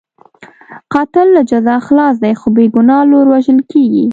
قاتل له جزا خلاص دی، خو بې ګناه لور وژل کېږي.